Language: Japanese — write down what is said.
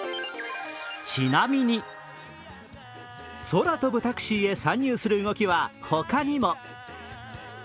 空飛ぶタクシーへ参入する動きは他にも。